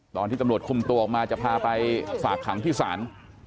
ตอนที่ตำรวจคุมตัวออกมาจะพาไปฝากขังที่ศาล